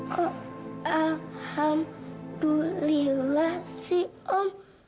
kok alhamdulillah sih om